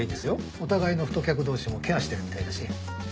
お互いの太客同士もケアしてるみたいだし。